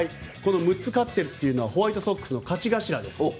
６つ勝ってるというのはホワイトソックスの勝ち頭です。